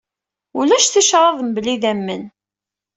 Ulac ticṛaḍ mebla idammen!